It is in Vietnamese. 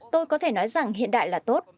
tôi có thể nói rằng hiện đại là tốt